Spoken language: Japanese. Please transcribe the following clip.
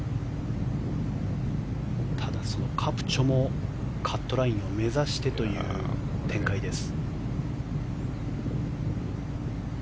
ただ、カプチョもカットラインを目指してという展開です。